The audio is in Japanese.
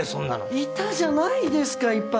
いたじゃないですかいっぱい。